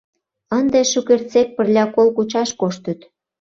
Ынде шукертсек пырля кол кучаш коштыт.